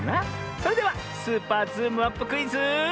それでは「スーパーズームアップクイズ」。